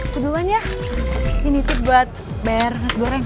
kejuan ya ini tip buat bayar nasi goreng